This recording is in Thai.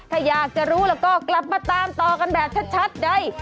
ถ้าอยากจะรู้แล้วก็กลับมาตามต่อกันแบบชัดใด